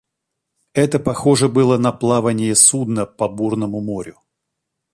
Это похоже было на плавание судна по бурному морю.